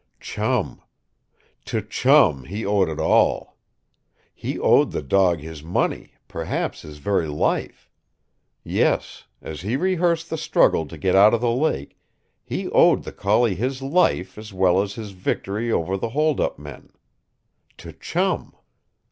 Chum! To Chum he owed it all! He owed the dog his money, perhaps his very life. Yes as he rehearsed the struggle to get out of the lake he owed the collie his life as well as his victory over the holdup men. To Chum!